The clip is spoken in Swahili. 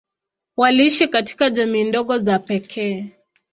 Waliishi katika jamii ndogo za pekee.